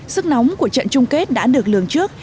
sức nóng của trận chung kết đã được lường trước